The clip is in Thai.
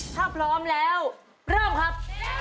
ถ้าพร้อมแล้วเริ่มครับ